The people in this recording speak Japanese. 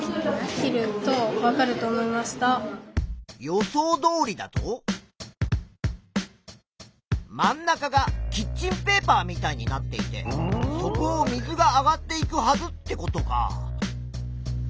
予想どおりだと真ん中がキッチンペーパーみたいになっていてそこを水が上がっていくはずってことか。